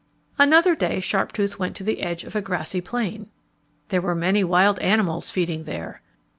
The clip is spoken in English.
Another day Sharptooth went to the edge of a grassy plain. There were many wild animals feeding there.